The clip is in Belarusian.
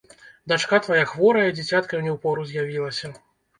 Дачка твая хворая, дзіцятка не ў пору з'явілася.